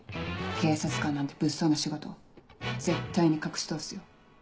警察官なんて物騒な仕事絶対に隠し通すよ。